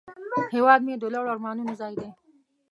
هیواد مې د لوړو آرمانونو ځای دی